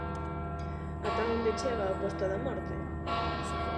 Ata onde chega a Costa da Morte?